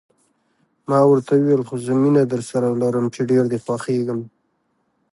ما ورته وویل: خو زه مینه درسره لرم، چې ډېر دې خوښېږم.